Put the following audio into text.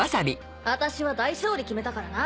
私は大勝利決めたからな。